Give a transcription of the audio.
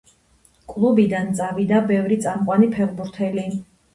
კლუბიდან წავიდა ბევრი წამყვანი ფეხბურთელი.